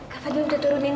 kak fadil udah turunin